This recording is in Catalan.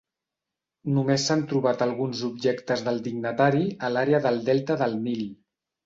Només s'han trobat alguns objectes del dignatari a l'àrea del delta del Nil.